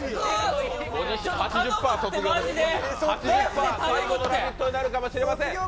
８０％卒業、最後の「ラヴィット！」になるかもしれません。